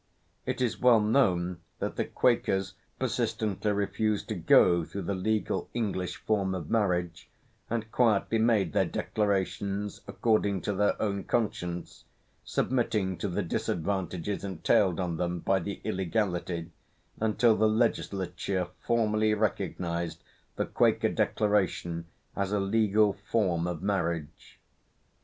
It is well known that the Quakers persistently refused to go through the legal English form of marriage, and quietly made their declarations according to their own conscience, submitting to the disadvantages entailed on them by the illegality, until the legislature formally recognised the Quaker declaration as a legal form of marriage.